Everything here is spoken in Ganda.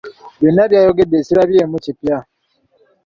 Byonna by'ayogedde sirabyemu kipya.